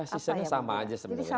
seasonnya sama aja sebenarnya